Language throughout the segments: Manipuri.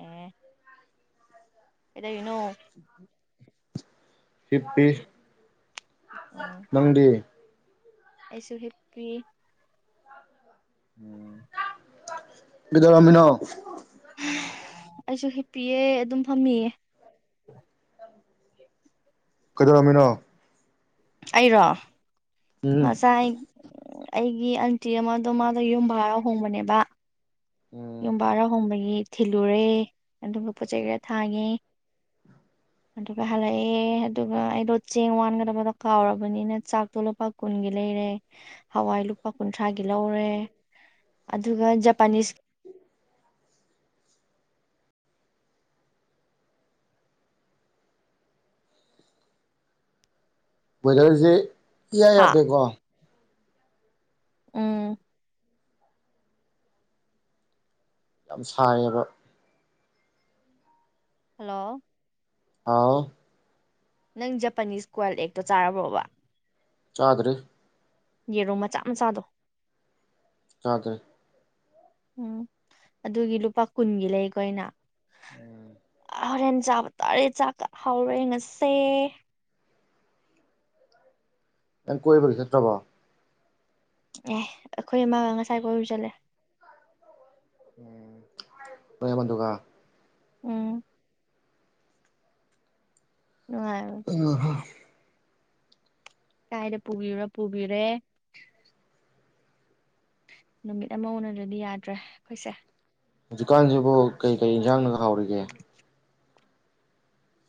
ꯑꯦ ꯀꯩꯗꯩꯅꯣ ꯍꯤꯞꯄꯤ ꯑꯣ ꯅꯪꯗꯤ ꯑꯩꯁꯨ ꯍꯤꯞꯄꯤ ꯎꯝ ꯀꯩꯗꯧꯔꯃꯤꯅꯣ ꯑꯩꯁꯨ ꯍꯤꯞꯄꯤꯌ‌ꯦ ꯑꯗꯨꯝ ꯐꯝꯃꯤꯌꯦ ꯀꯩꯗꯧꯔꯝꯃꯤꯅꯣ ꯑꯩꯔꯣ ꯎꯝ ꯉꯁꯥꯏ ꯑꯩꯒꯤ ꯑꯟꯇꯤ ꯑꯃꯗꯣ ꯃꯥꯗꯣ ꯌꯨꯝ ꯚꯔꯥ ꯍꯣꯡꯕꯅꯦꯕ ꯎꯝ ꯌꯨꯝ ꯚꯥꯔ ꯍꯣꯡꯕꯒꯤ ꯊꯤꯜꯂꯨꯔꯦ ꯑꯗꯨꯒ ꯄꯣꯠ ꯆꯩꯩ ꯀꯩꯀꯥ ꯊꯥꯡꯉꯦ ꯎ ꯑꯗꯨꯒ ꯍꯜꯂꯑꯦ ꯑꯗꯨꯒ ꯑꯩꯗꯣ ꯆꯦꯡ ꯋꯥꯟꯒꯗꯕꯗꯣ ꯀꯥꯎꯔꯕꯅꯤꯅ ꯆꯥꯛꯇꯣ ꯂꯨꯄꯥ ꯀꯨꯟꯒꯤ ꯂꯩꯔꯦ ꯍꯋꯥꯏ ꯂꯨꯄꯥ ꯀꯨꯟꯊ꯭ꯔꯥꯒꯤ ꯂꯧꯔꯦ ꯑꯗꯨꯒ ꯖꯄꯥꯅꯤꯁ ꯕꯣꯏꯂꯔꯖ‌ꯦ ꯏꯌꯥ ꯍꯥ ꯌꯥꯗꯦꯒ‌ꯣ ꯎꯝ ꯌꯥꯝ ꯁꯥꯡꯌꯦꯕ ꯍꯜꯂꯣ ꯍꯥꯎ ꯅꯪ ꯖꯄꯥꯅꯤꯁ ꯀ꯭ꯋꯥꯜ ꯑꯦꯛꯇꯣ ꯆꯥꯔꯕ꯭ꯔꯣꯕ ꯆꯥꯗꯔꯤ ꯌꯦꯔꯨꯝ ꯃꯆꯥ ꯃꯆꯥꯗꯣ ꯆꯥꯗ‌ꯦ ꯎꯝ ꯑꯗꯨꯒꯤ ꯂꯨꯄꯥ ꯀꯨꯟꯒꯤ ꯂꯩꯀ‌ꯣ ꯑꯩꯅ ꯍꯣꯔꯦꯟ ꯆꯥꯕ ꯇꯥꯔꯦ ꯆꯥꯛ ꯀ ꯍꯥꯎꯔꯦ ꯉꯁꯤ ꯅꯪ ꯀꯣꯏꯕꯒ ꯆꯠꯇ꯭ꯔꯕꯣ ꯑꯦ ꯑꯈꯣꯏ ꯑꯃꯒ ꯉꯁꯥꯏ ꯀꯣꯏꯕ ꯆꯠꯂꯦ ꯎꯝ ‌ꯅ‌ꯣꯏ ꯑꯃꯗꯨꯒ ꯎꯝ ꯅꯨꯡꯉꯥꯏ [unintelligible] ꯀꯥꯏꯗ ꯄꯨꯕꯤꯔꯣ ꯄꯨꯕꯤꯔꯦ ꯅꯨꯃꯤꯠ ꯑꯃ ꯎꯅꯗ꯭ꯔꯗꯤ ꯌꯥꯗ꯭ꯔꯦ ꯈꯣꯏꯁꯦ ꯍꯨꯖꯤꯛꯀꯥꯟꯖꯤꯕꯨ ꯀꯩ ꯀꯩ ꯏꯟꯖꯥꯡꯅꯒ ꯍꯥꯎꯔꯤꯒꯦ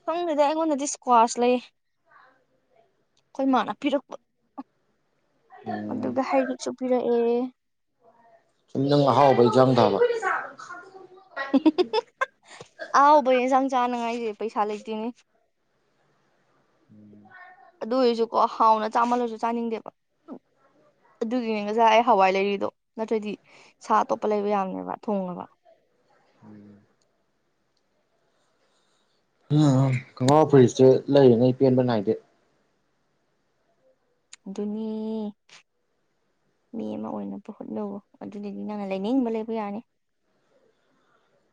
ꯈꯪꯗ‌ꯦꯗ ꯑꯩꯉꯣꯟꯗꯗꯤ ꯏꯁꯀ꯭ꯋꯥꯁ ꯂꯩ ꯈꯣꯏ ꯃꯥꯅ ꯄꯤꯔꯛꯄ [unintelligible] ꯑꯗꯨꯒ ꯍꯩꯔꯤꯛꯁꯨ ꯄꯤꯔꯑꯦ ꯁꯨꯝ ꯅꯪ ꯑꯍꯥꯎꯕ ꯏꯖꯥꯡ ꯊꯕ ꯑꯍꯥꯎꯕ ꯑꯦꯟꯁꯥꯡ ꯆꯥꯅꯉꯥꯏꯁ‌ꯦ ꯄꯩꯁꯥ ꯂꯩꯇ‌ꯦꯅ‌ꯦ [unintelligible] ꯑꯗꯨ ꯑꯣꯏꯖꯨꯀꯣ ꯍꯥꯎꯅ ꯆꯥꯝꯃꯜꯂꯁꯨ ꯆꯥꯅꯤꯡꯗꯦꯕ ꯑꯗꯨꯒꯤꯅꯦ ꯉꯁꯥꯏ ꯑꯩ ꯍꯋꯥꯏ ꯂꯩꯔꯤꯗꯣ ꯅꯠꯇ꯭ꯔꯗꯤ ꯁꯥ ꯑꯇꯣꯞꯄ ꯂꯩꯕ ꯌꯥꯕꯅꯦꯕ ꯊꯣꯉꯒ ꯍ‌ꯣ [unintelligible] [unintelligible] ꯈꯣꯡꯒ꯭ꯔꯥꯎ ꯐꯨꯔꯤꯠꯁꯨ ꯂꯩꯔꯤꯉꯩ ꯄꯦꯟꯕ ꯅꯥꯏꯗꯦ ꯑꯗꯨꯅꯤ ꯃꯤ ꯑꯃ ꯑꯣꯏꯅꯕ ꯍꯣꯠꯅꯧ ꯑꯗꯨꯗꯗꯤ ꯅꯪꯅ ꯂꯩꯅꯤꯡꯕ ꯂꯩꯕ ꯌꯥꯔꯅꯤ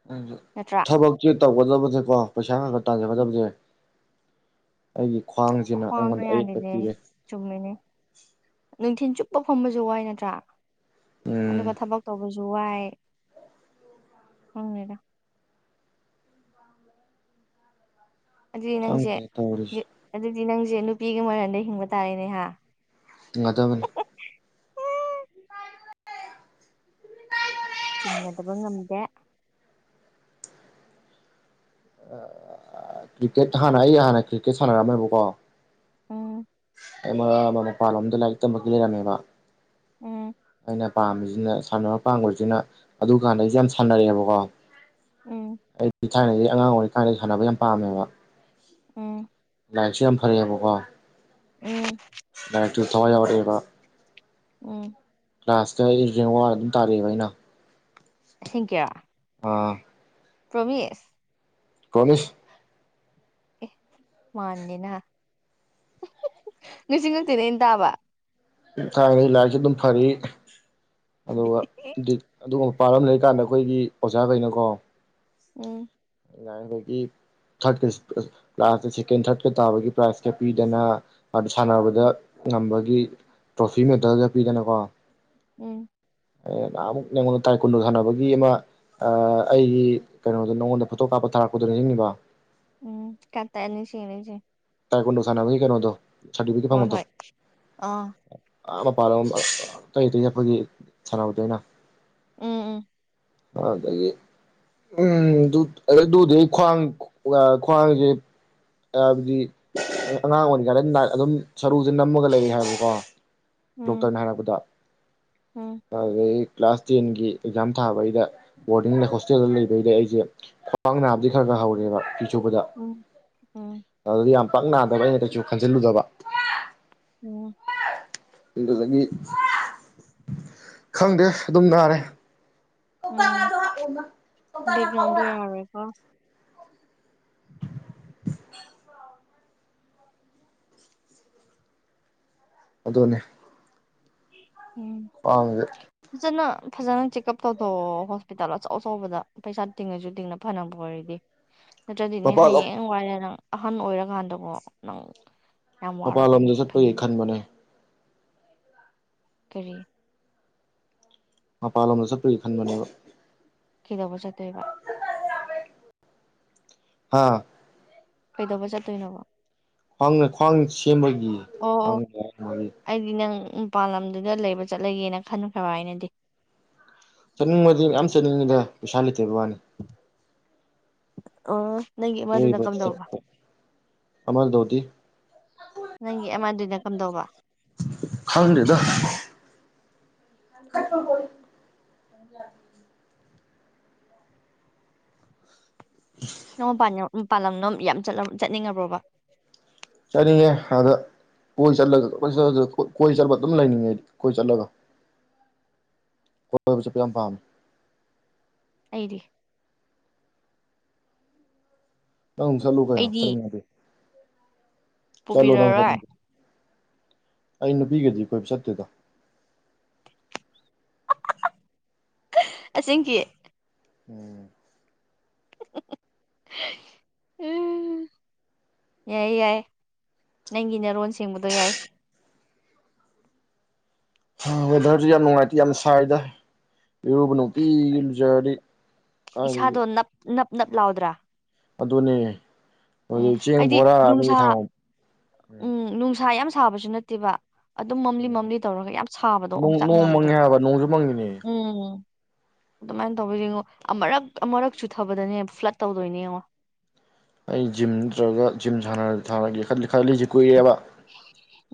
ꯅꯪꯖꯨ ꯅꯠꯇ꯭ꯔꯥ ꯊꯕꯛ ꯁꯦ ꯇꯧꯒꯗꯕꯁꯦꯀꯣ ꯄꯩꯁꯥ ꯈꯒ ꯇꯥꯟꯖꯒꯗꯕꯖꯦ ꯑꯩꯒꯤ ꯈ꯭ꯋꯥꯡ ꯁꯤꯅ ꯑꯩꯉꯣꯟꯗ ꯑꯌꯦꯠꯄ ꯄꯤꯔꯦ ꯆꯨꯝꯃꯤꯅꯤ ꯅꯨꯡꯊꯤꯟ ꯆꯨꯞꯄ ꯐꯝꯕꯁꯨ ꯋꯥꯏ ꯅꯠꯇ꯭ꯔꯥ ꯎꯝ ꯑꯗꯨꯒ ꯊꯕꯛ ꯇꯧꯕꯁꯨ ꯋꯥꯏ ꯈꯪꯗꯦꯗ ꯑꯗꯨꯗꯤ ꯅꯪꯖꯦ ꯈꯪꯗꯦ ꯇꯧꯔꯤꯁꯦ ꯑꯗꯨꯗꯤ ꯅꯪꯖꯦ ꯅꯨꯄꯤꯒꯤ ꯃꯔꯜꯗ ꯍꯤꯡꯕ ꯇꯥꯔꯦꯅꯦꯍꯥ ꯍꯤꯡꯉꯥꯗꯕꯅꯤ ꯆꯤꯡꯅꯗꯕ ꯉꯝꯗꯦ ꯀ꯭ꯔꯤꯀꯦꯠ ꯍꯥꯟꯅ ꯑꯩ ꯍꯥꯟꯅ ꯀ꯭ꯔꯤꯀꯦꯠ ꯁꯥꯟꯅꯔꯝꯃꯦꯕꯀꯣ ꯎꯝ ꯑꯃ ꯃꯄꯥꯥꯟꯂꯣꯝꯗ ꯂꯥꯏꯔꯤꯛ ꯇꯝꯕꯒꯤ ꯂꯩꯔꯝꯃꯦꯕ ꯎꯝ ꯑꯩꯅ ꯄꯥꯝꯃꯤꯖꯤꯅ ꯁꯥꯟꯅꯕ ꯄꯥꯝꯒ꯭ꯔꯤꯖꯤꯅ ꯑꯗꯨ ꯀꯥꯟꯗ ꯑꯩꯖꯦ ꯌꯥꯝ ꯁꯥꯟꯅꯔꯛꯑꯦꯕꯀꯣ ꯎꯝ ꯑꯩꯄꯤ ꯊꯥꯏꯅꯗꯒꯤ ꯑꯉꯥꯡ ꯑꯣꯏꯔꯤꯀꯥꯟꯗ ꯁꯥꯟꯅꯕ ꯌꯥꯝ ꯄꯥꯝꯃꯦꯕ ꯎꯝ ꯂꯥꯏꯔꯤꯛꯁꯨ ꯌꯥꯝ ꯐꯔꯑꯦꯕꯀꯣ ꯎꯝ ꯂꯥꯏꯔꯤꯛꯇꯨ ꯊꯋꯥꯏ ꯌꯥꯎꯔꯛꯑꯦꯕ ꯎꯝ ꯀ꯭ꯂꯥꯁꯇ ꯑꯩꯖꯦ ꯔꯦꯡ ꯋꯥꯟ ꯑꯗꯨꯝ ꯇꯥꯔꯛꯑꯦꯕ ꯑꯩꯅ ꯑꯁꯦꯡ ꯀꯤ ꯑꯥ ꯄ꯭ꯔꯣꯃꯤꯁ ꯄ꯭ꯔꯣꯃꯤꯁ ꯑꯦ ꯃꯥꯟꯗꯦꯅ ꯉꯁꯤ ꯉꯛꯇꯅꯦ ꯑꯩꯅ ꯇꯥꯕ ꯇꯥꯔꯛꯏ ꯂꯥꯏꯔꯤꯛꯁꯨ ꯑꯗꯨꯝ ꯐꯔꯤ ꯑꯗꯨꯒ ꯑꯗꯨꯒ ꯄꯥꯂꯝ ꯂꯩꯀꯥꯟꯗ ꯈꯣꯏꯒꯤ ꯑꯣꯖꯥꯒꯩꯅꯀꯣ ꯎꯝ ꯂꯥꯏꯔꯤꯛ ꯂꯩꯕꯤ ꯊꯥꯔꯠꯀ ꯀ꯭ꯂꯥꯁꯇ ꯁꯦꯀꯦꯟ ꯊꯥꯔꯠꯀ ꯇꯥꯕꯒꯤ ꯄ꯭ꯔꯥꯏꯖꯀ ꯄꯤꯗꯅ ꯑꯗꯨ ꯁꯥꯟꯅꯕꯗ ꯎꯝ ꯉꯝꯕꯒꯤ ꯇ꯭ꯔꯣꯐꯤ ꯃꯦꯗꯜꯒ ꯄꯤꯗꯅꯀꯣ ꯎꯝ ꯅꯍꯟ ꯃꯨꯛ ꯅꯉꯣꯟꯗ ꯇꯥꯏ ꯀꯨꯟꯗꯣ ꯁꯥꯟꯅꯕꯒꯤ ꯑꯃ ꯑꯥ ꯑꯩꯒꯤ ꯀꯩꯅꯣꯗꯣ ꯅꯉꯣꯟꯗ ꯐꯣꯇꯣ ꯀꯥꯞ ꯊꯥꯔꯄꯗꯨ ꯅꯤꯡꯖꯤꯡꯉꯤꯕꯣ ꯎꯝ ꯀꯇꯅꯤꯁꯤꯡ ꯂꯛꯏꯖꯤꯌꯦꯡꯉꯣ ꯇꯥꯏ ꯀꯨꯟꯗꯣ ꯁꯥꯟꯅꯕꯒꯤ ꯀꯩꯅꯣꯗꯣ ꯁꯔꯇꯤꯐꯤꯀꯦꯠ ꯍꯣꯏ ꯐꯪꯕꯗꯣ ꯍꯣꯏ ꯑꯥ ꯑꯥ ꯃꯄꯥꯥꯜꯂꯝ ꯑꯇꯩ ꯑꯇꯩ ꯆꯠꯄꯒꯤ ꯁꯥꯟꯅꯕꯗꯣ ꯑꯩꯅ ꯎꯝ ꯎꯝ ꯑꯧꯗꯒꯤ ꯎꯝ ꯑꯗꯨꯗꯤ ꯑꯩ ꯈ꯭ꯋꯥꯡ ꯈ꯭ꯋꯥꯡꯖꯦ ꯑꯥꯕꯗꯤ ꯑꯉꯥꯡ ꯑꯣꯏꯔꯤꯉꯩꯗ ꯅꯥꯏ ꯑꯗꯨꯝ ꯁꯔꯨꯖꯦ ꯅꯝꯃꯒ ꯂꯩ ꯍꯥꯏꯌꯦꯕꯀꯣ ꯎꯝ ꯎꯝ ꯗꯣꯛꯇꯔꯅ ꯍꯥꯏꯔꯕꯗ ꯎꯝ ꯑꯗꯨꯗꯒꯤ ꯀ꯭ꯂꯥꯁ ꯇꯦꯟꯒꯤ ꯑꯦꯛꯖꯥꯝ ꯊꯥꯕꯩꯗ ꯕꯣꯔꯗꯤꯡ ꯂꯩ ꯍꯣꯁ ꯇꯦꯜꯗ ꯂꯩꯕꯩꯗ ꯑꯩꯖꯦ ꯈ꯭ꯋꯥꯡ ꯅꯥꯕꯗꯤ ꯈꯔ ꯈꯔ ꯍꯧꯔꯦꯕ ꯐꯤ ꯁꯨꯕꯗ ꯎꯝ ꯎꯝ ꯑꯗꯨꯗꯤ ꯌꯥꯝ ꯄꯛ ꯅꯥꯗꯕ ꯑꯩꯅ ꯀꯩꯁꯨ ꯈꯟꯖꯜꯂꯨꯗꯕ ꯑꯣ ꯑꯗꯨꯒꯗꯤ ꯈꯪꯗꯦ ꯑꯗꯨꯝ ꯅꯥꯔꯦ ꯎꯝ ꯕꯦꯛꯒ꯭ꯔꯥꯎꯟꯗꯣ ꯌꯥꯔꯣꯏꯀꯣ ꯑꯗꯣꯅꯦ ꯎꯝ ꯄꯥꯡꯖꯦ ꯐꯖꯅ ꯐꯖꯅ ꯆꯦꯛꯑꯞ ꯇꯧꯊꯣꯛꯑꯣ ꯍꯣꯁꯄꯤꯇꯥꯜ ꯑꯆꯧ ꯑꯆꯧꯕꯗ ꯄꯩꯁꯥ ꯇꯤꯡꯉꯖꯨ ꯇꯤꯡꯅ ꯐꯅꯕ ꯑꯣꯏꯔꯗꯤ ꯅꯠꯇ꯭ꯔꯗꯤꯅꯦ ꯃꯄꯥꯟꯂꯣꯝ ꯍꯌꯦꯡ ꯋꯥꯏꯔꯦ ꯅꯪ ꯑꯍꯟ ꯑꯣꯏꯔꯀꯥꯟꯗꯀꯣ ꯅꯪ ꯌꯥꯝ ꯃꯄꯥꯟ ꯂꯝꯗ ꯋꯥꯔꯛꯀꯅꯤ ꯐꯪꯉꯤ ꯆꯠꯄꯒꯤ ꯈꯟꯕꯅꯦ ꯀꯔꯤ ꯃꯄꯥꯟꯂꯣꯝꯗ ꯆꯠꯄꯒꯤ ꯈꯟꯕꯅꯦꯕ ꯈꯤꯗꯧꯕ ꯆꯠꯇꯣꯏꯕ ꯍꯥꯥ ꯀꯩꯗꯧꯕ ꯆꯠꯇꯣꯏꯅꯣꯕ ꯈ꯭ꯋꯥꯡꯅ ꯈ꯭ꯋꯥꯡ ꯁꯦꯝꯕꯒꯤ ꯑꯣ ꯑꯣ ꯋꯥꯡ ꯅꯨꯉꯥꯏꯇꯕꯒꯤ ꯑꯩꯗꯤ ꯅꯪ ꯃꯄꯥꯟ ꯂꯝꯗꯨꯗ ꯂꯩꯕ ꯆꯠꯂꯒꯦꯅ ꯈꯟꯈ꯭ꯔꯕ ꯍꯥꯏꯅꯗꯤ ꯆꯠꯅꯤꯡꯕꯗꯤ ꯃꯌꯥꯝ ꯆꯠꯅꯤꯡꯉꯤꯗ ꯄꯩꯁꯥ ꯂꯩꯇꯕ ꯋꯥꯅꯤ ꯑꯣ ꯅꯪꯒꯤ ꯑꯃꯗꯨꯅ ꯍꯣꯏꯕꯆꯤꯆꯤ ꯀꯝꯗꯧꯕ ꯍꯣꯏ ꯑꯃꯜꯗꯣꯗꯤ ꯅꯪꯒꯤ ꯑꯃꯥꯗꯨꯅ ꯀꯝꯗꯧꯕ ꯈꯪꯗꯦꯗ ꯈꯠꯄꯄꯣꯠꯅꯤ [unintelligible] [unintelligible] ꯅꯣꯡ ꯃꯄꯥꯟꯌꯣ ꯃꯄꯥꯟꯂꯝꯗꯣꯝ ꯌꯥꯝ ꯆꯠꯂꯕ ꯆꯠꯅꯤꯡꯉꯕꯣꯕ ꯆꯠꯅꯤꯡꯉꯦ ꯑꯗ ꯀꯣꯏ ꯆꯠꯂꯒ ꯀꯣꯏ ꯆꯠ ꯆꯠ ꯀꯣꯏ ꯀꯣꯏ ꯆꯠꯄ ꯑꯗꯨꯝ ꯂꯩꯅꯤꯡꯉꯦ ꯑꯩꯗꯤ ꯀꯣꯏ ꯆꯠꯂꯒ ꯀꯣꯏꯕ ꯆꯠꯄ ꯌꯥꯝ ꯄꯥꯝꯃꯦ ꯑꯩꯗꯤ ꯅꯪꯖꯨ ꯆꯠ ꯀꯩꯅꯣ ꯑꯩꯗꯤ ꯆꯠꯅꯤꯡꯉꯗꯤ ꯆꯠꯂꯣ ꯅꯪ ꯄꯨꯕꯤꯔꯔꯣꯏ ꯆꯠꯅꯤꯡꯗꯤ ꯑꯩ ꯅꯨꯄꯤꯒꯗꯤ ꯀꯣꯏꯕ ꯆꯠꯇꯦꯗ ꯑꯁꯦꯡꯀꯤ ꯎꯝ ꯎꯝ ꯌꯥꯏ ꯌꯥꯏ ꯅꯪꯒꯤ ꯅꯔꯣꯟ ꯁꯦꯡꯕꯗꯣ ꯌꯥꯏ ꯍꯥ ꯋꯦꯗꯔꯖꯦ ꯌꯥꯝ ꯅꯨꯡꯉꯥꯏꯇꯦ ꯌꯥꯝ ꯁꯥꯏꯗ ꯏꯔꯨꯕ ꯅꯨꯡꯇꯤꯒꯤ ꯂꯨꯖꯔꯗꯤ ꯀꯥꯏꯗꯒꯤ ꯏꯁꯥꯗꯣ ꯅꯞ ꯅꯞ ꯂꯥꯎꯗ꯭ꯔꯥ ꯑꯗꯨꯅꯦ ꯎꯝ ꯍꯧꯖꯤꯛ ꯆꯦꯡ ꯍꯥꯏꯗꯤ ꯕꯣꯔꯥ ꯑꯅꯤ ꯅꯨꯡꯁꯥ ꯊꯥꯡꯉꯣꯞ ꯎꯝ ꯅꯨꯡꯁꯥ ꯌꯥꯝ ꯁꯥꯕꯁꯨ ꯅꯠꯇꯦꯕ ꯑꯗꯨꯝ ꯃꯝꯂꯤ ꯃꯝꯂꯤ ꯇꯧꯔꯒ ꯌꯥꯝ ꯁꯥꯕꯗꯣ ꯅꯣꯡ ꯑꯣꯡꯆꯥꯛ ꯅꯣꯡ ꯅꯥꯕꯗꯣ ꯃꯪꯉꯦ ꯍꯥꯏꯕ ꯅꯣꯡꯁꯨ ꯃꯪꯉꯤꯅꯦ ꯎꯝ ꯑꯗꯨꯃꯥꯏꯟ ꯇꯧꯕ ꯌꯦꯡꯉꯣ ꯑꯃꯔꯛ ꯑꯃꯔꯛ ꯆꯨꯊꯕꯗꯅꯦꯕ ꯐ꯭ꯂꯠ ꯇꯧꯗꯣꯏꯅꯦ ꯌꯦꯡꯉꯣ ꯑꯩ ꯖꯤꯝ ꯅꯠꯇ꯭ꯔꯒ ꯖꯤꯝ ꯁꯥꯟꯅ ꯁꯥꯟꯅꯒꯦ ꯈꯜꯂꯤ ꯈꯂꯤꯖꯦ ꯀꯨꯏꯔꯦꯕ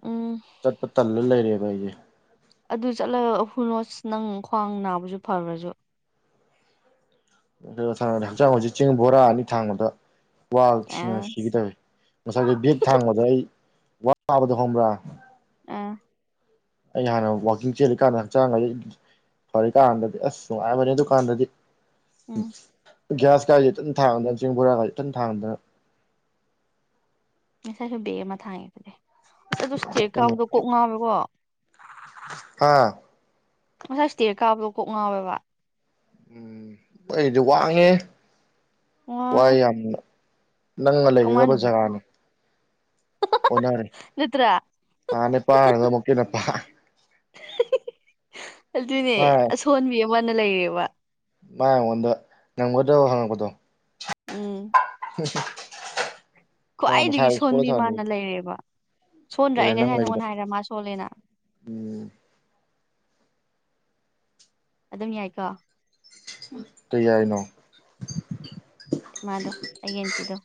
ꯎꯝ ꯆꯠꯄ ꯇꯜꯂ ꯂꯩꯔꯦꯕ ꯑꯩꯖꯦ ꯑꯗꯨ ꯆꯠꯂꯒ ꯍꯨꯅꯣꯁ ꯅꯪ ꯈ꯭ꯋꯥꯡ ꯅꯥꯕꯖꯨ ꯐꯒ꯭ꯔꯖꯨ ꯑꯗꯨ ꯁꯥꯡꯅ ꯆꯦꯡ ꯍꯧꯖꯤꯛ ꯆꯦꯡ ꯕꯣꯔꯥ ꯑꯅꯤ ꯊꯥꯡꯕꯗ ꯋꯥꯕ ꯁꯤꯅ ꯑꯦꯁ ꯁꯤꯒ ꯇꯧꯋꯦ ꯉꯁꯥꯏꯒꯤ ꯕꯦꯛ ꯊꯥꯡꯕꯗ ꯑꯩ ꯋꯥꯕꯗ ꯍꯣꯡꯕ꯭ꯔꯥ ꯑ ꯑꯩ ꯍꯥꯟꯅ ꯋꯥꯛꯀꯤꯡ ꯆꯦꯜꯂꯤꯀꯥꯟꯗ ꯍꯛꯆꯥꯡꯒꯥꯁꯤ ꯐꯔꯦꯀꯥꯟꯗꯗꯤ ꯑꯁ ꯅꯨꯡꯉꯥꯏꯕꯅꯦ ꯑꯗꯨꯀꯥꯟꯗꯗꯤ ꯎꯝ ꯎ ꯒ꯭ꯌꯥꯁ ꯀꯥꯥꯁꯦ ꯇꯪ ꯊꯥꯡꯗꯅ ꯆꯦꯡ ꯕꯣꯔꯥ ꯀꯥꯁꯦ ꯇꯪ ꯊꯥꯡꯗꯅ ꯉꯁꯥꯏꯁꯨ ꯕꯦꯒ ꯑꯃ ꯊꯥꯡꯉꯦ ꯑꯁ ꯑꯗꯨ ꯏꯁꯇꯤꯔꯠ ꯀꯥꯕꯗꯣ ꯀꯣꯛ ꯉꯥꯉꯤꯀꯣ ꯍꯥ ꯉꯁꯥꯏ ꯏꯁꯇꯦꯔ ꯀꯥꯕꯗꯣ ꯀꯣꯛ ꯉꯥꯎꯋꯦꯕ ꯎꯝ ꯑꯩꯗꯤ ꯋꯥꯡꯉꯦ ꯋꯥꯏ ꯌꯥꯝꯅ ꯅꯪꯅ ꯂꯩꯒꯦꯗꯕ ꯀꯃꯥꯏꯅꯕꯨ ꯀꯥꯎ ꯖꯒꯥꯅꯤ ꯑꯣꯟꯅꯔꯦ ꯅꯠꯇ꯭ꯔꯥ ꯑ ꯅꯄꯥꯔꯗ ꯑꯃꯨꯛꯀꯤꯅꯄꯥ ꯑꯗꯨꯅꯦ ꯃꯥ ꯑꯁꯣꯟꯕꯤ ꯑꯃꯅ ꯂꯩꯔꯦꯕ ꯃꯥ ꯑꯩꯉꯣꯟꯗ ꯉꯝꯒꯗ꯭ꯔꯣ ꯍꯪꯉꯛꯄꯗꯣ ꯎꯝ ꯎꯝ ꯈ꯭ꯋꯥꯏꯗꯒꯤ ꯁꯣꯟꯕꯤ ꯃꯥꯅ ꯂꯩꯔꯦꯕ ꯁꯣꯟꯗ꯭ꯔ ꯑꯗꯨꯅ ꯅꯪ ꯑꯩꯉꯩꯁꯥꯏ ꯅꯉꯣꯟ ꯂꯩꯕꯗ ꯍꯥꯏꯔꯦ ꯃꯥ ꯁꯣꯜꯂꯦꯅ ꯎꯝ ꯑꯗꯨꯝ ꯌꯥꯏꯀꯣ ꯀꯩ ꯌꯥꯏꯅꯣ ꯃꯥꯗꯣ ꯑꯩꯒꯦꯟꯇꯤꯗꯣ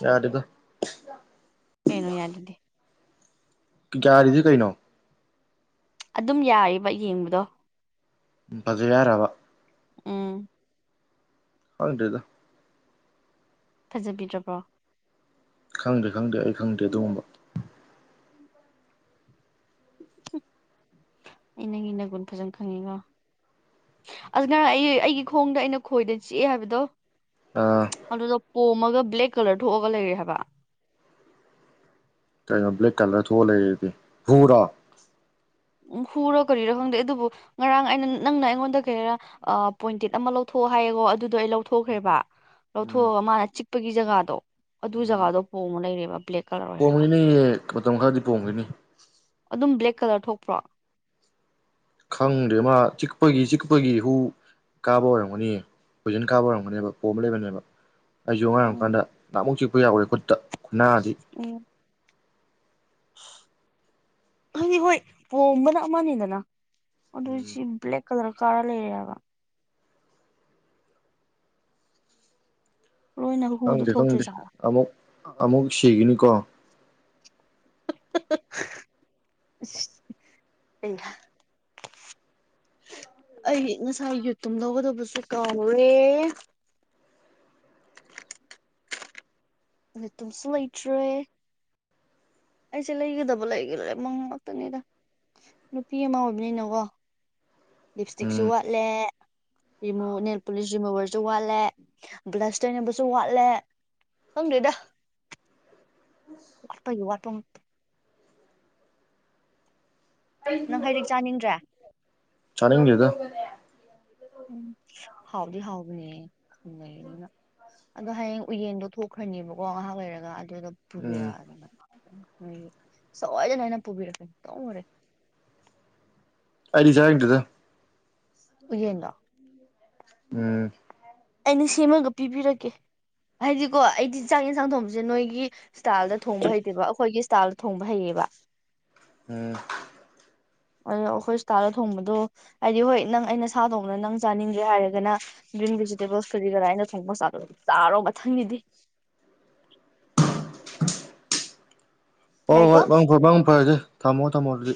ꯌꯥꯗꯦꯗ ꯀꯩꯅꯣ ꯌꯥꯗ꯭ꯔꯤꯗꯤ ꯌꯥꯔꯤꯗꯤ ꯀꯩꯅꯣ ꯑꯗꯨꯝ ꯌꯥꯔꯤꯕ ꯌꯦꯡꯕꯗꯣ ꯐꯖꯩ ꯌꯥꯏꯔꯕ ꯎꯝ ꯈꯪꯗ꯭ꯔꯦꯗꯥ ꯐꯖꯕꯤꯗ꯭ꯔꯕ꯭ꯔꯣ ꯈꯪꯗꯦ ꯈꯪꯗꯦ ꯑꯩ ꯈꯪꯗꯦ ꯑꯗꯨꯒꯨꯝꯕ ꯑꯩ ꯅꯪꯒꯤ ꯅꯒꯨꯟ ꯐꯖꯅ ꯈꯪꯉꯤꯀꯣ ꯑꯗꯨ ꯅꯔ ꯑꯩ ꯑꯩꯒꯤ ꯈꯣꯡꯗ ꯑꯩꯅ ꯈꯣꯏꯗꯅ ꯆꯤꯛꯑꯦ ꯍꯥꯏꯕꯗꯣ ꯑꯥ ꯑꯗꯨꯗ ꯄꯣꯝꯃꯒ ꯕ꯭ꯂꯦꯛ ꯀꯂꯔ ꯊꯣꯛꯑꯒ ꯂꯩꯔꯦ ꯍꯥꯏꯕ ꯀꯩꯅꯣ ꯕ꯭ꯂꯦꯛ ꯀꯂꯔ ꯊꯣꯛꯑ ꯂꯩꯔꯦꯗꯤ ꯍꯨꯔꯤ ꯎ ꯍꯨꯔꯣ ꯀꯔꯤꯔꯣ ꯈꯪꯗꯦ ꯑꯗꯨꯕꯨ ꯉꯔꯥꯡ ꯑꯩꯅ ꯅꯪꯅ ꯑꯩꯉꯣꯟꯗ ꯀꯩꯔꯥ ꯑ ꯄꯣꯏꯟꯇꯦꯠ ꯑꯃ ꯂꯧꯊꯣꯛꯑꯣ ꯍꯥꯏꯌꯦꯀꯣ ꯑꯗꯨꯗꯣ ꯑꯩ ꯂꯧ ꯊꯣꯛꯈ꯭ꯔꯦꯕ ꯎꯝ ꯂꯧꯊꯣꯛꯑꯒ ꯃꯥꯅ ꯆꯤꯛꯄꯒꯤ ꯖꯒꯥꯗꯣ ꯑꯗꯨ ꯎꯝ ꯖꯒꯥꯗꯣ ꯄꯣꯡꯃ ꯂꯩꯔꯦꯕ ꯕ꯭ꯂꯦꯛ ꯀꯂꯔ ꯑꯣꯏꯔꯒ ꯄꯣꯝꯒꯤꯅꯤ ꯃꯇꯝ ꯈꯔꯗꯤ ꯄꯣꯝꯒꯤꯅꯤ ꯑꯗꯨꯝ ꯕ꯭ꯂꯦꯛ ꯀꯂꯔ ꯊꯣꯛꯄ꯭ꯔꯣ ꯈꯪꯗ꯭ꯔꯦ ꯃꯥ ꯆꯤꯛꯄꯒꯤ ꯆꯤꯛꯄꯒꯤ ꯍꯨ ꯀꯥꯕ ꯑꯣꯏꯔꯝꯒꯅꯤꯌꯦ ꯐꯣꯏꯖꯟ ꯀꯥꯕ ꯑꯣꯏꯔꯝꯒꯅꯦꯕ ꯄꯣꯝꯃ ꯂꯩꯕꯅꯦꯕ ꯑꯩꯁꯨ ꯑꯉꯥꯡꯑꯣꯏ ꯀꯥꯟꯗ ꯎꯝ ꯅꯍꯃꯨꯛ ꯆꯤꯛꯄ ꯌꯥꯎꯔꯦ ꯈꯨꯠꯇ ꯈꯨꯟꯅꯥꯗꯤ ꯎꯝ ꯑꯗꯨꯗꯤ ꯍꯣꯏ ꯄꯣꯝꯕꯅ ꯑꯃꯅꯤꯅꯦꯗꯅ ꯎꯝ ꯑꯗꯨꯏꯁꯤ ꯕ꯭ꯂꯦꯛ ꯀꯂꯔ ꯀꯥꯔꯥ ꯂꯩꯔꯦꯍꯥꯏꯕ ꯂꯣꯏꯅ ꯍꯨꯗꯣ ꯈꯪꯗꯦ ꯈꯪꯗꯦ ꯊꯣꯛꯇ꯭ꯔꯤꯖꯥꯠꯂꯥ ꯑꯃꯨꯛ ꯑꯃꯨꯛ ꯁꯤꯒꯤꯅꯤꯀꯣ [unintelligible] ꯑꯩꯅ ꯑꯩ ꯉꯁꯥꯏ ꯌꯨꯇꯨꯝ ꯂꯧꯒꯗꯕꯁꯨ ꯀꯥꯎꯔꯦ [inaudible] ꯅꯦꯠꯇꯝꯁꯨ ꯂꯩꯇ꯭ꯔꯦ ꯑꯩꯁꯦ ꯂꯩꯒꯗꯕ ꯂꯩꯒꯤ ꯂꯥꯃꯪ ꯉꯛꯇꯥꯅꯤꯗ ꯅꯨꯄꯤ ꯑꯃ ꯑꯣꯏꯕꯅꯤꯅꯀꯣ ꯂꯤꯞꯁ ꯇꯤꯛꯁꯨ ꯎꯝ ꯋꯥꯠꯂꯦ ꯔꯤꯃꯨ ꯅꯦꯜ ꯄꯨꯂꯤꯁ ꯔꯤꯃꯣꯕꯔꯁꯨ ꯋꯥꯠꯂꯦ ꯕ꯭ꯂꯁ ꯇꯩꯅꯕꯁꯨ ꯋꯥꯠꯂꯦ ꯈꯪꯗꯦꯗ ꯋꯥꯠꯄꯒꯤ ꯋꯥꯠꯄ ꯉꯛꯇꯥ ꯅꯪ ꯍꯩꯔꯤꯛ ꯆꯥꯅꯤꯡꯗ꯭ꯔꯦ ꯆꯥꯅꯤꯡꯗꯦꯗ ꯎꯝ ꯍꯥꯎꯗꯤ ꯍꯥꯎꯕꯅꯦ ꯈꯨꯝꯅꯩꯅꯤꯅ ꯑꯗꯣ ꯍꯌꯦꯡ ꯎꯌꯦꯟꯗꯣ ꯊꯣꯛꯈ꯭ꯔꯥꯅꯦꯕꯀꯣ ꯉꯥꯏꯍꯥꯛ ꯂꯩꯔꯒꯥ ꯑꯗꯨꯗꯣ ꯎꯝ ꯄꯨꯕꯤꯔꯛꯑꯒꯦ [unintelligible] ꯁꯣꯏꯗꯅ ꯑꯩꯅ ꯄꯨꯕꯤꯔꯛꯀꯥꯅꯦ ꯗꯣꯡ ꯋꯥꯔꯤ ꯑꯩꯗꯤ ꯆꯥꯅꯤꯡꯗꯦꯗꯥ ꯎꯌꯦꯟꯗꯣ ꯎꯝ ꯑꯩꯅ ꯁꯦꯝꯃꯒ ꯄꯤꯕꯤꯔꯛꯀꯦ ꯍꯥꯏꯗꯤꯀꯣ ꯑꯩꯗꯤ ꯆꯥꯛ ꯌꯦꯟꯁꯥꯡ ꯊꯣꯡꯕꯁꯦ ꯅꯣꯏꯒꯤ ꯁ꯭ꯇꯥꯥꯏꯜꯗ ꯊꯣꯡꯕ ꯍꯩꯇꯦꯕ ꯑꯈꯣꯏꯒꯤ ꯁ꯭ꯇꯥꯥꯏꯜꯗ ꯊꯣꯡꯕ ꯍꯩꯌꯦꯕ ꯎꯝ ꯑꯗꯣ ꯑꯈꯣꯏ ꯁ꯭ꯇꯥꯏꯜ ꯊꯣꯡꯕꯗꯣ ꯍꯥꯏꯗꯤ ꯍꯣꯏ ꯅꯪ ꯑꯩꯅ ꯁꯥ ꯊꯣꯡꯕꯅ ꯅꯪ ꯆꯥꯅꯤꯡꯒꯦ ꯍꯥꯏꯔꯒꯅ ꯒ꯭ꯔꯤꯟ ꯚꯦꯖꯤꯇꯦꯕꯜꯁ ꯀꯔꯤ ꯀꯥꯔꯥ ꯑꯩꯅ ꯊꯣꯡꯕ ꯆꯗꯔꯣ ꯆꯥꯔꯣ ꯃꯊꯪꯒꯤꯗꯤ ꯍꯣ ꯌꯥꯏꯀꯣ ꯍꯣꯏ ꯃꯪ ꯐꯥ ꯃꯪ ꯐꯔꯥꯗꯤ ꯊꯝꯃꯣ ꯊꯝꯃꯣ ꯑꯗꯨꯗꯤ